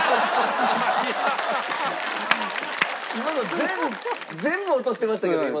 今の全部落としてましたけど今のは。